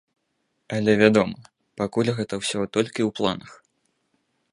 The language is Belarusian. Але, вядома, пакуль гэта ўсё толькі ў планах.